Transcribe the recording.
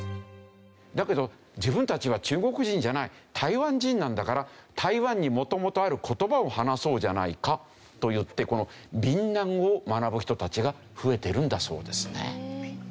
だけど自分たちは中国人じゃない台湾人なんだから台湾に元々ある言葉を話そうじゃないかといってこの南語を学ぶ人たちが増えてるんだそうですね。